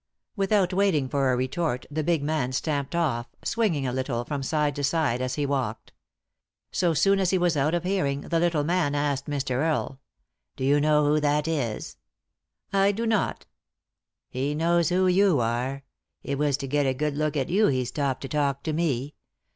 Without waiting for a retort the big man stamped off, swinging a little from side to side as he walked. So soon as he was out of hearing the little man asked Mr. Earle. " Do you know who that is ?" "I do not" " He knows who you are. It was to get a good look at you he stopped to talk to me.